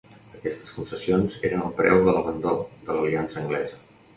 Aquestes concessions eren el preu de l'abandó de l'aliança anglesa.